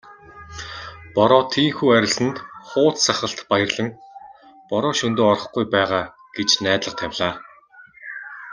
Бороо тийнхүү арилсанд хууз сахалт баярлан "Бороо шөнөдөө орохгүй байгаа" гэж найдлага тавилаа.